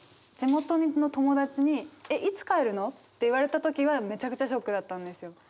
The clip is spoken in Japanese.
地元の友達に「いつ帰るの？」って言われた時はめちゃくちゃショックだったんですよ。